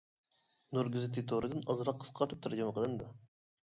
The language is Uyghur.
«نۇر گېزىتى تورى» دىن ئازراق قىسقارتىپ تەرجىمە قىلىندى.